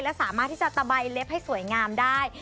และสามารถที่จะตะใบเล็บให้สวยงามได้